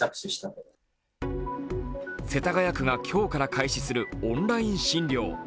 世田谷区が今日から開始するオンライン診療。